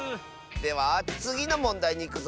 ではつぎのもんだいにいくぞ。